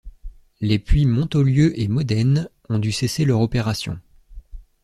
Les puits Montolieu et Modène ont dû cesser leur opération.